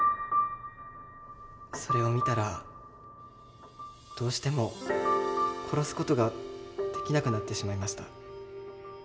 それを見たらどうしても殺す事ができなくなってしまいました。